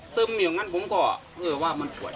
ซึมอยู่ผมก็ว่ามันป่วย